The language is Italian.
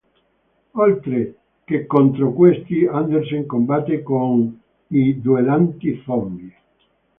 Oltre che contro questi, Andersen combatte con i "duellanti-zombie".